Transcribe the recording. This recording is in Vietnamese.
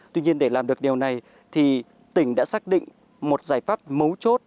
tuy nhiên để làm được điều này thì tỉnh đã xác định một giải pháp mấu chốt